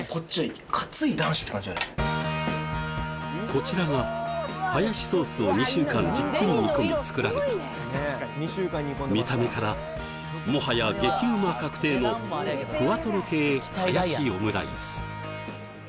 こちらがハヤシソースを２週間じっくり煮込み作られた見た目からもはや激うま確定のふわとろ系ハヤシオムライス